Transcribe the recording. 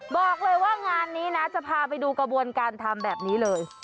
บอกเลยว่างานนี้นะจะพาไปดูกระบวนการทำแบบนี้เลย